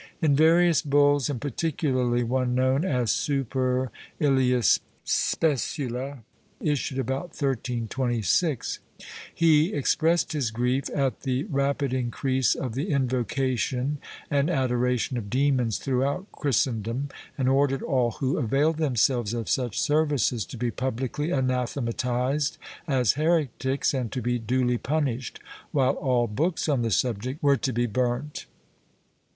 In various bulls, and particularly one known as Super illms specula, issued about 1326, he expressed his grief at the rapid increase of the invocation and adoration of demons throughout Christendom, and ordered all who availed themselves of such services to be publicly anathematized as heretics and to be duly punished, while all books on the subject were to be burnt.